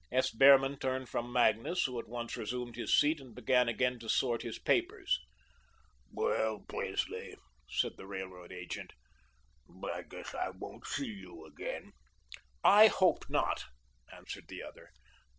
S. Behrman turned from Magnus, who at once resumed his seat and began again to sort his papers. "Well, Presley," said the railroad agent: "I guess I won't see you again." "I hope not," answered the other.